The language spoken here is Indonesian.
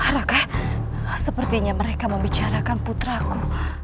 apakah sepertinya mereka membicarakan putraku